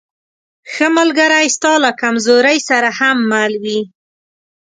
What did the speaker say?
ښه ملګری ستا له کمزورۍ سره هم مل وي.